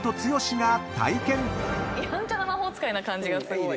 やんちゃな魔法使いな感じがすごい。